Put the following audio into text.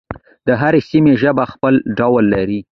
د هرې سیمې ژبه خپل ډول لري.